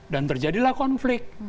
dan terjadilah konflik